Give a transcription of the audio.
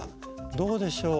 どうでしょう？